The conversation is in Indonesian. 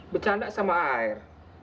bercanda sama air